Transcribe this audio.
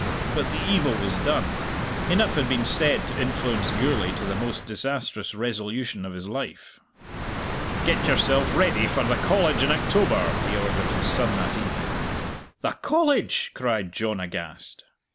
But the evil was done. Enough had been said to influence Gourlay to the most disastrous resolution of his life. "Get yourself ready for the College in October," he ordered his son that evening. "The College!" cried John aghast.